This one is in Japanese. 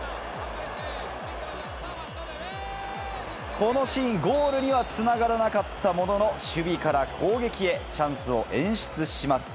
このシーン、ゴールにはつながらなかったものの、守備から攻撃へ、チャンスを演出します。